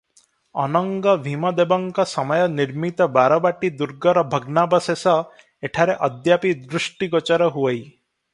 ଅନଙ୍ଗଭୀମଦେବଙ୍କ ସମୟ ନିର୍ମିତ ବାରବାଟୀ ଦୁର୍ଗର ଭଗ୍ନାବଶେଷ ଏଠାରେ ଅଦ୍ୟାପି ଦୃଷ୍ଟିଗୋଚର ହୁଅଇ ।